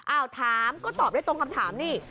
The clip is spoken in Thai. อ้าวถามก็ตอบได้ตรงคำถามนี่